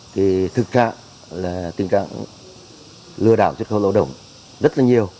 thì thực trạng là tình trạng lừa đảo xuất khẩu lao động rất là nhiều